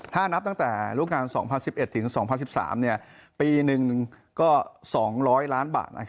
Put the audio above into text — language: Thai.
ถ้านับตั้งแต่รูปการณ์๒๐๑๑ถึง๒๐๑๓ปีหนึ่งก็๒๐๐ล้านบาท